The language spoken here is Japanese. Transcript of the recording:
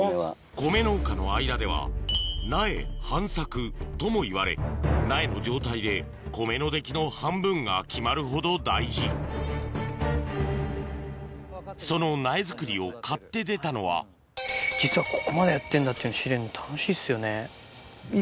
米農家の間では苗半作ともいわれ苗の状態で米の出来の半分が決まるほど大事その苗作りを買って出たのは実はここまでやってんだって知れるの楽しいっすよね。